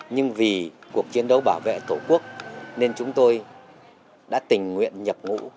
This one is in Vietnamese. nhưng vì cuộc chiến đấu bảo vệ tổ quốc nên chúng tôi đã tình nguyện nhập ngũ